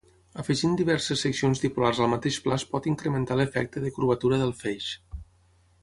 Afegint diverses seccions dipolars al mateix pla es pot incrementar l'efecte de curvatura del feix.